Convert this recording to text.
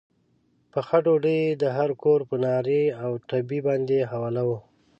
پخه ډوډۍ یې د هر کور پر نغري او تبۍ باندې حواله وه.